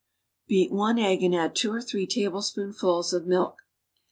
Beat one egg and add two or three tablespoonfuls of milk.